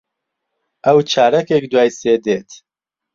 ئەو چارەکێک دوای سێ دێت.